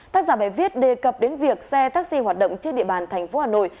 tác giả bài viết đề cập đến việc xe taxi hoạt động trên địa bàn tp hà nội